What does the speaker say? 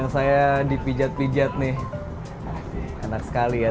saya dipijat pijat nih enak sekali ya